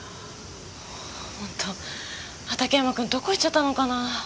本当畑山君どこ行っちゃったのかな。